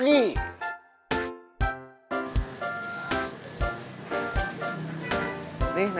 tadi katanya sudah pergi